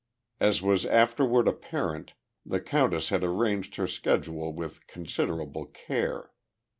As was afterward apparent, the countess had arranged her schedule with considerable care.